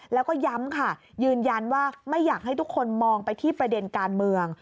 แล้วก็ย้ำค่ะยืนยันว่าไม่อยากให้ทุกคนมองไปที่ประเด็นการเมือง